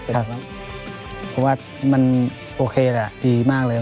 เพราะว่ามันโอเคแหละดีมากเลย